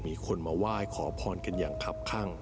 มีคนมาไหว้ขอพรกันอย่างขับข้าง